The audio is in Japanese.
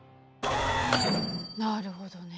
なるほどね。